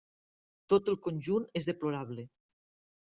Tot el conjunt és deplorable.